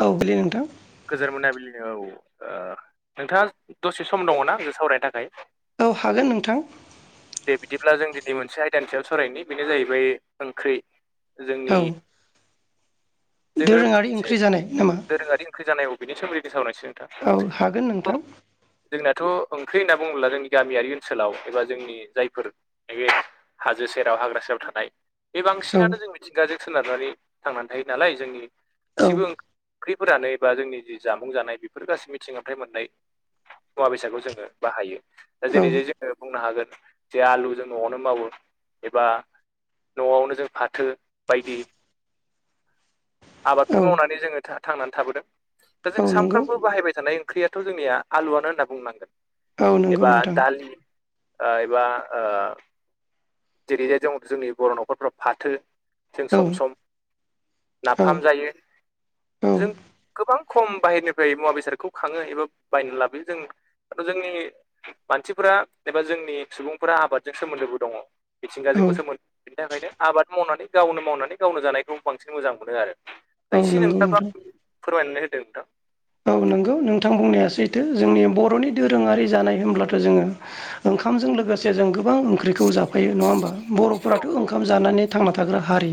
औ गोलैयो नोंथां। गोजोन मोनाबिलिनि औ ओ नोंथाङा दसे सम दङना आंजों सावरायनो थाखाय? औ हागोन नोंथां। दे बिदिब्ला जों दिनै मोनसे आयदानि सायाव सावरायनि बेनो जाहैबाय ओंख्रै। जोंनि औ जोङो दोरोङारि ओंख्रि जानाय नामा दोरोङारि ख्रि जानाय औ बेनि सोमोन्दैनो सावरायसै नोंथां। औ हागोन नोंथां। जोंनाथ' ओंख्रि होनना बुङोब्ला जोंनि गामियारि ओनसोलाव एबा जोंनि जायफोर नैबे हाजो सेराव हाग्रा सायाव थानाय बे औ बांसिनानो जों मिथिंगाजों सोनारनानै थांनानै थायो नालाय जोंनि औ गासैबो ओं ख्रैफोरानो बा जोंनि जि जामुं जानाय बेफोर गासै मिथिंगानिफ्राय मोननाय मुवा बेसादखौ जोङो बाहायो। दा औ जेरै जाय जो ओ बुंनो हागोन जे आलु जों न'आवनो मावो एबा न'आवनो जों फाथो बायदि औ आबादफोर मावनानै जोङो थां-थांनानै थाबोदों दा जों औ नंगौ सामफ्रोमबो बाहायबाय थानाय ओंख्रियाथ' जोंनिया आलुआनो होनना बुंनांगोन औ नंगौ एबा नोंथां दालि। ओ एबा ओ जेरैहाय जों जोंनि बर' न'खरफ्राव फाथो जों औ सम सम औ नाफाम जायो। औ जों गोबां खम बाहेरनिफ्राय मुवा बेसादखौ खाङो एबा बायना लाबोयो जों। दाथ' जोंनि मानसिफोरा एबा जोंनि सुबुंफोरा आबादजों सोमोन्दोबो दङ। औ मिथिंगाजोंबो सोमोन्दो बेनि थाखायनो आबाद मावनानै गावनो मावनानै गावनो जानायखौ बांसिन मोजां मोनो आरो औ दा एसे [unintelligible] नंगौ नोंथां फोरमायनानै होदों नोंथां। औ नंगौ नोंथां बुंनाया सैथो जोंनि बर'नि दोरोङारि जानाय होनब्लाथ' जोङो ओंखामजों लोगोसे जों गोबां ओंख्रिखौ जाफायो नङा होमबा औ बर'फोराथ' ओंखाम जानानै थांना थाग्रा हारि।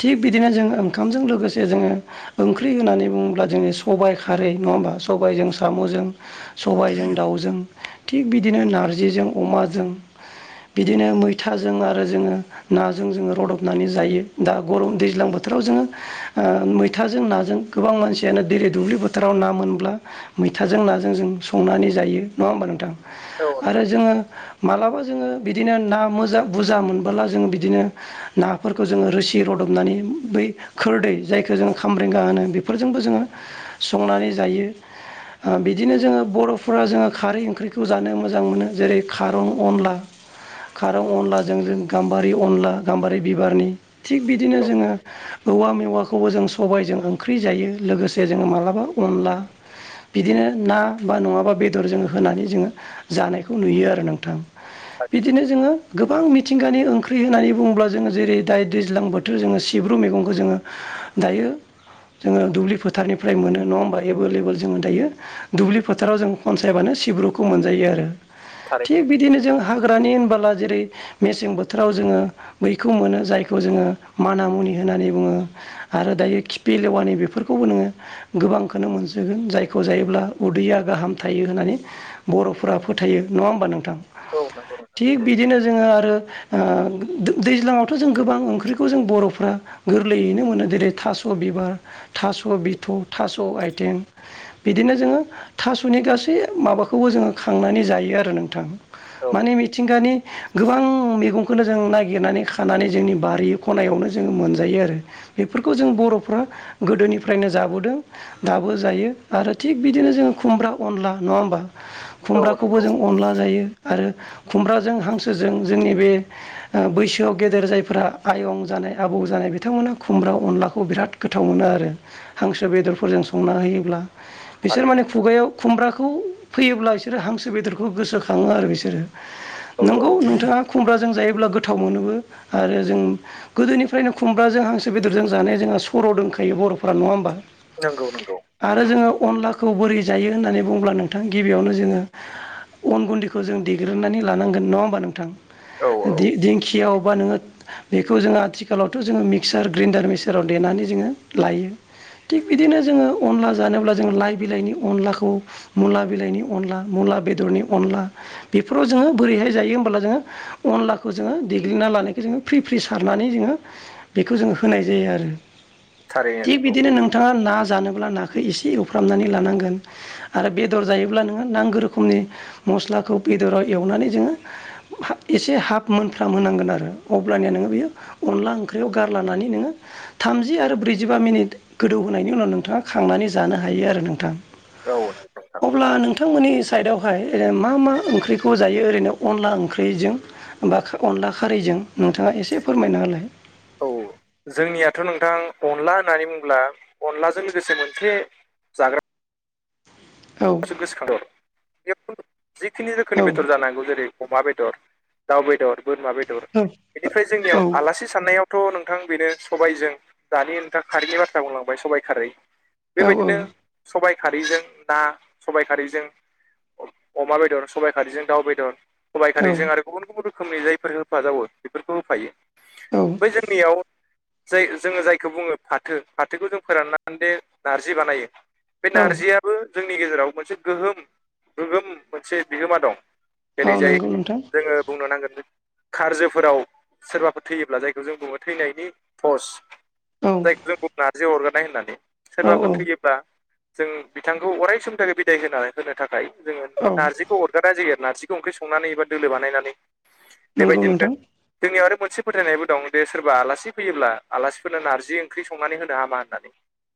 थिग बिदिनो जों ओंखामजों लोगोसे जोङो ओंख्रि होननानै बुङोब्ला जोङो सबाय खारै नङा होमबा सबायजों साम'जों सबायजों दाउजों थिग बिदिनो नारजिजों अमाजों बिदिनो मैथाजों आरो जोङो नाजों जोङो रदबनानै जायो दा गरम दैज्लां बोथोराव जोङो ओ मैथाजों नाजों गोबां मानसियानो देयलि दुब्लि फोथ थाराव ना मोनब्ला मैथाजों नाजों जों संनानै जायो नङा होमबा नोंथां? औ औ आरो नंगौ जोङो मालाबा जोङो बिदिनो ना मोजा बुरजा मोनबोला जोङो बिदिनो नाफोरखौ जोङो रोसि रदबनानै बै खोरदै जायखौ जोङो खामब्रेंगा होनो बेफोरजोंबो जोङो संनानै जायो। ओ बिदिनो जोङो बर'फोरा जोङो खारै ओंख्रिखौ जानो मोजां मोनो जेरै खारं अनला खारं अनलाजों जों गाम्बारि अनला गाम्बारि बिबारनि। थिग बिदिनो जोङो औवा मेवाखौबो जों सबायजों ओंख्रि जायो लोगोसे जो माला बा अनला बिदिनो ना बा नङाबा बेदर जों होनानै जोङो जानायखौ नुयो आरो नोंथां। बिदिनो जोङो गोबां मिथिंगानि ओंख्रि होननानै बुङोब्ला जोङो जेरै दायो दैज्लां बोथोर जोङो सिब्रु मैगंखौ जोङो दायो जोङो दुब्लि फोथारनिफ्राय मोनो। नङा होमबा? एभेलेबोल जोङो दायो दुब्लि फोथाराव जों फनसायाबानो सिब्रुखौ मोनजायो आरो। थिग थारैनो बिदिनो जों हाग्रानि होनबोला जेरै मेसें बोथोराव जोङो बैखौ मोनो जायखौ जोङो माना मुनि होननानै बुङो आरो दायो खिफ लेवानि बेफोरखौबो नोङो गोबांखौनो मोनजागोन जायखौ जायोब्ला उदैया गाहाम थायो होननानै बर'फोरा फोथायो। नङा होमबा नोंथां? औ नंगौ नोंथां थिग बिदिनो जोङो आरो ओ दैज्लाङावथ' जों गोबां ओंख्रिखौ जों बर'फ्रा गोरलैयैनो मोनो जेरै थास' बिबार थास' बिथ' थास' आइथें बिदिनो जोङो थास'नि गासै माबाखौबो जोङो खांनानै जायो आरो नोंथां। औ माने मिथिंगानि गोबां मैगं खौनो जों नागिरनानै खानानै जोंनि बारि खनायावनो जोङो मोनजायो आरो। बेफोरखौ जों बर'फ्रा गोदोनिफ्रायनो जाबोदों। दाबो जायो आरो थिग बिदिनो जोङो खुमब्रा अनला नङा होमबा औ खुमब्राखौबो नंगौ जों अनला जायो आरो खुमब्राजों हांसोजों जोंनि बे बैसोआव गेदेर जायफोरा आयं जानाय आबौ जानाय बिथांमोना खुमब्रा अनलाखौ बिराद गोथाव मोनो आरो हांसो बेदरफोरजों संना होयोब्ला। बिसोर माने थारैनो नोंथां खुगायाव खुमब्राखौ फैयोब्ला बिसोरो हांसो बेदरखौ गोसोखाङो आरो बिसोरो। औ नंगौ औ नोंथाङा खुमब्राजों जायोब्ला गोथाव मोनोबो आरो जों गोदोनिफ्रायनो खुमाजों हांसो बेदरजों जानाय जोंहा सर' दंखायो बरफफोरा नङा होमबा? नंगौ नंगौ। आरो जोङो अनलाखौ बोरै जायो होननानै बुंब्ला नोंथां गिबियावनो जोङो अन गुन्दैखौ जों देग्रोनानै लानांगोन। नङा होमबा नोंथां? औ औ दि-दिंखियाव बा नोङो बेखौ जोङो आथिखालावथ' जोङो मिक्सार ग्रेन्डार मिक्साराव देनानै जोङो लायो। थिग बिदिनो जोङो अनला जानोब्ला जोंङो लाइ बिलाइनि अनलाखौ मुला बिलाइनि अनला मुला बेदरनि अनला बेफोराव जोङो बोरैहाय जायो होनोमबोला जोङो अनलाखौ जोङो देग्लिना लानायखौ जोङो फ्रि फ्रि सारनानै जोङो बेखौ जोंङो होनाय जायो आरो। थारैनो थिग बिदिनो नंगौ नों थाङा ना जानोब्ला नाखौ एसे एवफ्रामनानै लानांगोन। आरो बेदर जायोब्ला नोङो नांगौ रोखोमनि मस्लाखौ बेदराव एवनानै जोङो एसे हाफ मोनफ्राम होनांगोन आरो अब्लानिया नोङो बियो अनला ओंख्रियाव गारलानानै नोङो थामजि आरो ब्रैजिबा मिनिट गोदौहोनायनि उनाव नोंथाङा खांनानै जानो हायो आरो नोंथां। औ [unintelligible] अब्ला नोंथांमोननि साइडआवहाय मा मा ओंख्रिखौ जायो ओरैनो अनला ओंख्रिजों? बा अनला खारैजों नोंथाङा एसे फोरमायनाालाय। औ जोंनियाथ' नोंथां अनला होननानै बुङोब्ला अनलाजों लोगोसे मोनसे जाग्रा औ गोसोखांहर जिखिनि औ रोखोमनि बेदर जानांगौ। जेरै अमा बेदर दाउ बेदर बोरमा बेदर बेनिफ्राय औ जोंनियाव आलासि साननायावथ' नोंथां बेनो सबायजों दानि नोंथां खारैनि बाथ्रा बुंलांबाय सबाइ खारै। औ बेबायदिनो सबाय खारैजों ना सबायाइ खारैजों अमा बेदर सबाइ खारैजों दाउ बेदर सबाइ औ खारैजों आरो गुबुन गुबुन रोखोमनि जायफोर होफाजावो बेफोरखौ होफायो। औ बै जोंनियाव जाय जोङो जायखौ बुङो फाथो फाथोखौ जों फोराननानै दे नारजि बानायो बे औ नारजियाबो जोंनि गेजेराव मोनसे गोहोम गोगोम मोनसे बिहोमा दं। औ जेरैजाय नंगौ नोंथां जोङो बुंनो नांगोन खारजोफोराव सोरबाफोर थैयोब्ला जायखौ जों बुङो थैनायनि पस औ जायखौ जों बुं नारजि अरगारनाय होननानै। औ सोरबाफोर औ थैयोब्ला जों बिथांखौ अराय समनि थाखाय बिदाय होना होनो थाखाय जोंङो औ नारजिखौ अर गारनाय जायो नारजिखौ ओंख्रि संनानै एबा दोलो बानायनानै नंगौ नोंथां बेबायदिनो जोंनियाव आरो मोनसे फोथायनायबो दं दे सोरबा आलासि फैयोब्ला आलासिफोरनो नारजि ओंख्रि संनानै होनो हामा होननानै।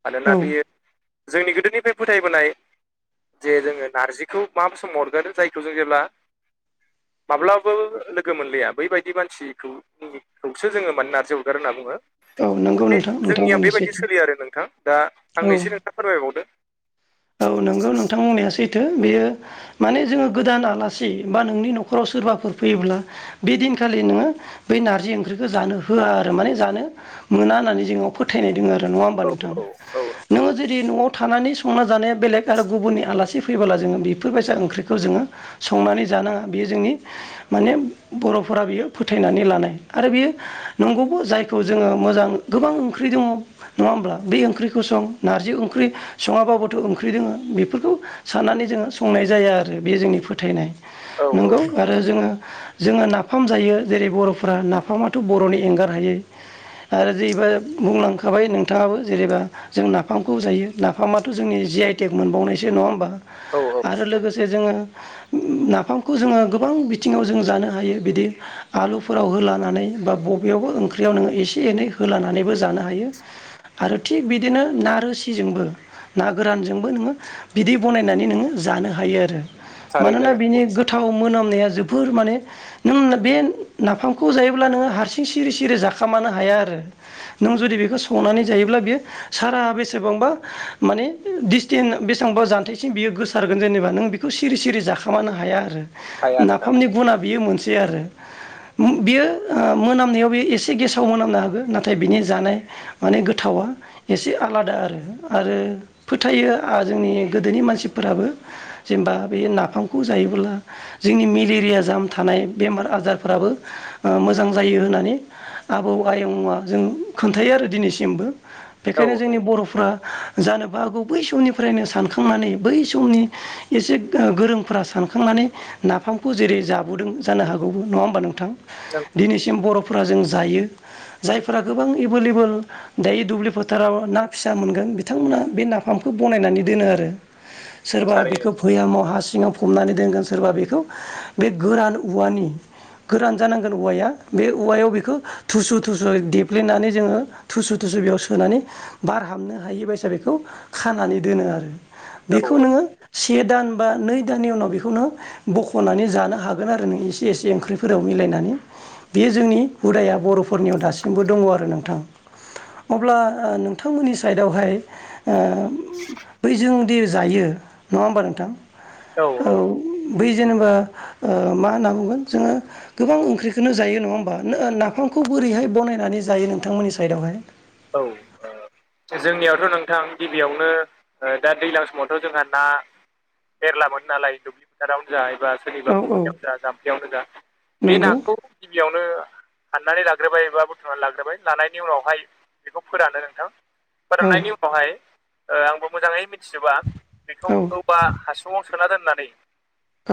मानोना औ बियो जोंनि गोदोनिफ्राय फोथायबोनाय जे जोंङो नारजिखौ मा समाव अरगारो जायखौ जों जेब्ला माब्लाबो लोगो मोनलाया बैबायदि मानसिखौ खौसो जोंङो माने नारजि अरगारो होनना बुङो। नंगौ बे नोंथां नोंथां जोंनिया बुंनाया बेबायदि सैथो सोलियो आरो नोंथां दा औ आंनैसो नोंथाङा फोरमायबावदों। औ नंगौ नोंथां बुंनाया सैथो बेयो माने जोंङो गोदान आलासि बा नोंनि न'खराव सोरबाफोर फैयोब्ला बे दिनखालि नोंङो बै नारजि ओंख्रिखौ जानो होआ आरो माने जानो मोना होननानै जोंनाव फोथायनाय दङ आरो नङा होमबा औ नोंथां? औ नोंथां नोंङो जुदि न'आव थानानै संना जानाया बेलेग आरो गुबुननि आलासि फैबोला जोंङो बेफोरबायसा ओंख्रिखौ जोंङो संनानै जानाङा बेयो जोंनि माने बर'फोरा बियो फोथायनानै लानाय आरो बियो नंगौबो जायखौ जोंङो मोजां गोबां ओंख्रि दङ नङा होमब्ला बे ओंख्रिखौ सं नारजि ओंख्रि सङाबाबो थ' ओंख्रि दोङो बेफोरखौ साननानै जोंङो संनाय जाया आरो बे जोंनि फोथायनाय। नंगौ आरो जोंङो जोंङो ना फाम जायो जेरै बर'फोरा नाफामाथ' बर'नि एंगार हायै। आरो जेैबा बुंलांखाबाय नोंथाङाबो जेनेबा जों नाफामखौ जायो नाफामा जोंनि जि आइटेक मोनबावनायसो नङा होमबा औ औ नंगौ नोंथां औ आरो नंगौ लोगोसे जोंङो नाफामखौ जोंङो गोबां बिथिङाव जों जानो हायो बिदि आलुफोराव होलानानै बा बबेयावबो ओंख्रियाव नोंङो एसे एनै होलानानैबो जानो हायो। आरो थिग बिदिनो ना रोसिजोंबो। ना गोरानजोंबो नोंङो बिदै बनायनानै नोंङो जानो हायो आरो। थारैनो मानोना नंगौ बिनि नोंथां गोथाव मोनामनाया जोबोर माने नों बे नाफामखौ जायोब्ला नोंङो हारसिं सिरि सिरि जाखामानो हाया आरो। नों जुदि बेखौ संनानै जायोब्ला बेयो सारा बेसेबांबा माने डिसटेन्स बेसेबांबा जान्थायसिम बियो गोसारगोन जेनेबा नों बेखौ सिरि सिरि जाखोमानो हाया आरो। हाया नोंथां नाफामनि हाया गुना बियो मोनसे आरो। बियो ओ मोनामनायाव बे एसे गेसाव मोनामनो हागौ नाथाय बिनि जानाय माने गोथावा एसे आलादा आरो आरो फोथायो आ जोंनि गोदोनि मानसिफोराबो। जेनेबा बे नाफामखौ जायोब्ला जोंनि मेलेरिया जाम थानाय बेमार आजारफोराबो ओ मोजां जायो होननानै आबौ आयंआ जों खोन्थायो आरो दिनैसिमबो। औ बेखायनो जोंनि औ बर'फ्रा जानोबो हागौ बै समनिफ्रायनो सानखांनानै बै समनि एसे ओ गोरोंफोरा सानखांनानै नाफामखौ जेरै जाबोदों जानो हागौबो नङा होमबा नोंथां? नों दिनैसिम बर' फोरा जों जायो। जायफोरा गोबां एभेलेबोल दायो दुब्लि फोथाराव ना फिसा मोनगोन बिथांमोना बे नाफामखौ बनायनानै दोनो आरो सोरबा थारैनो बेखौ भयामाव हा सिङाव फबनानै दोनगोन सोरबा बेखौ बे गोरान औवानि गोरान जानांगोन औवाया बे औवायाव बेखौ थुसु थुसु देफ्लेनानै जोंङो थुसु थुसु बेयाव सोनानै बार हाबनो हायि बाय बेखौ खानानै दोनो आरो औ बेखौ नोंङो से दान बा नै दाननि उनाव बेखौनो बख'नानै जानो हागोन आरो नों एसे एसे ओंख्रिफोराव मिलायनानै। बे जोंनि हुदाया बर'फोरनियाव दासिमबो दङ आरो नोंथां। अब्ला नोंथांमोननि साइडआवहाय बै जोंदि जायो नङा होनबा नोंथां औ बै जेनेबा ओ मा होनना बुंगोन जोङो गोबां ओंख्रिखोनो जायो नङा होमबा नो नाफामखौ बोरैहाय बनायनानै जायो नोंथांमोननि साइडआवहाय औ ओ जोंनियावथ' नोंथां गिबियावनो ओ दा दैलां समावथ' जोंहा ना मेरला मोनो नालाय न्दुब्लि फोथारावनो जा एबा सोरनिबा औ औ फख्रियावनो जा जाम्फैयावनो जा बे नंगौ नाखौ गिबियावनो हाननानै लाग्रोबाय एबा बुथुमनानै लाग्रोबाय लानायनि उनावहाय बेखौ फोरानो नोंथां औ फोराननायनि उनावहाय ओ आंबो मोजाङै मिथिजोबा बेखौ औ औवा हासुङाव सोना दोननानै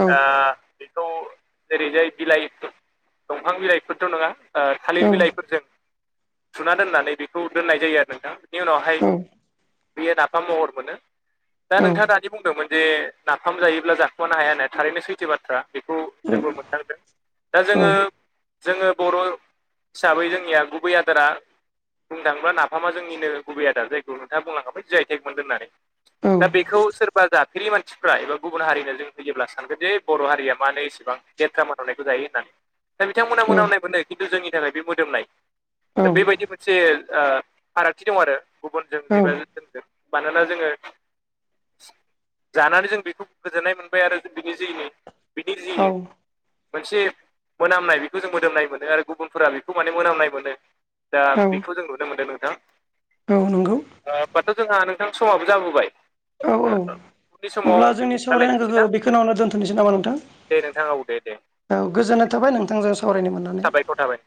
औ बेखौ जेरैजाय बिलाइ दंफां बिलाइफोरथ' नङा ओ थालिर औ बिलाइफोरजों जुना दोननानै बेखौ दोननाय जायो आरो नोंथां बेनि उनावहाय बियो नाफाम महर मोनो दा औ नोंथाङा दानि बुंदोंमोन जे नाफाम जायोब्ला जाखुमानो हाया होननाया थारैनो सैथो बाथ्रा बेखौ औ जोंबो मोनदांदों दा जोङो औ जोङो बर' हिसाबै जोंनिया गुबै आदारा बुंनो थाङोब्ला नाफामा जोंनिनो गुबै आदार जायखौ नोंथाङा बुंलांखाबाय जि आइ टेग मोनदों होननानै दा बे खौ सोरबा जाफेरि मानसिफ्रा एबा गुबुन हारिनो जों होयोब्ला सानगोन जे बर' हारिया मानो एसेबां लेथ्रा मोनामनायखौ जायो होननानै दा बिथांमोना मोनामनाय मोनो खिन्थु जोंनि थाखाय बे मोदोमनाय दा बेबायदि मोनसे ओ फारागथि दं आरो गुबुनजों औ एबा जोंजों मानोना जोङो जानानै जों बेखौ गोजोननाय मोनबाय आरो बिनि जै बिनि जि मोनसे मोनामनाय बेखौ जों मोदोमनाय मोनो आरो गुबुनफोरा बेखौ माने मोनामनाय मोनो दा औ बेखौ जों नुनो मोनदों नोंथां औ नंगौ ओ होनमबाथ' जोंहा नोंथां समाबो जाबोबाय औ औ उननि समाव अब्ला जोंनि रायलायफिनसै ना सावरायनांगोखौ बेखोनोआवनो दोन्थ'नोसै नामा नोंथां दे नोंथां औ दे दे औ गोजोननाय थाबाय नोंथांजो सावरायनो मोननानै साबायखर थाबाय